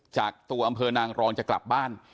จากตัวอำเภอนางรองจะกลับบ้าน